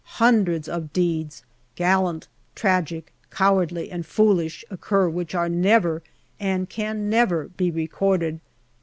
Hundreds of deeds, gallant, tragic, cowardly, and foolish, occur which are never, and can never be, recorded.